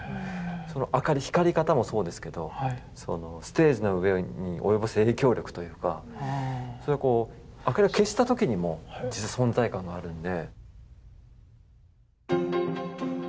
その光り方もそうですけどステージの上に及ぼす影響力というかあかりを消した時にも存在感があるんで。